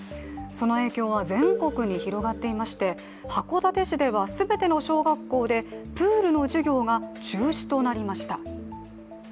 その影響は全国に広がっていまして、函館市では全ての小学校でプールの授業が中止となりました。